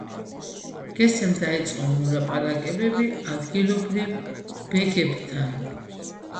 გესემ დაიწყო მოლაპარაკებები ადგილობრივ ბეგებთან.